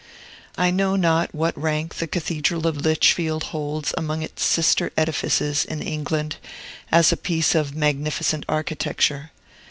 I know not what rank the Cathedral of Lichfield holds among its sister edifices in England, as a piece of magnificent architecture.